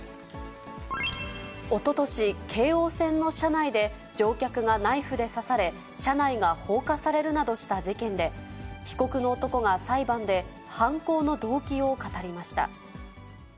おととし、京王線の車内で、乗客がナイフで刺され、車内が放火されるなどした事件で、被告の男が裁判で犯行の動機を語りました。